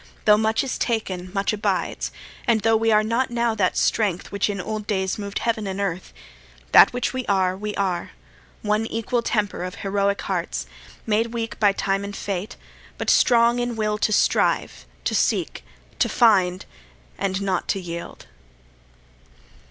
Tho' much is taken, much abides; and tho' We are not now that strength which in old days Moved earth and heaven, that which we are, we are; One equal temper of heroic hearts, Made weak by time and fate, but strong in will To strive, to seek, to find, and not to yield.